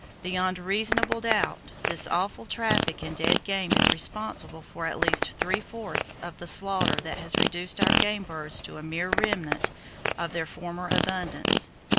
Beyond reasonable doubt, this awful traffic in dead game is responsible for at least three fourths of the slaughter that has reduced our game birds to a mere remnant of their former abundance.